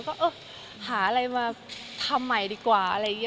ก็เออหาอะไรมาทำใหม่ดีกว่าอะไรอย่างนี้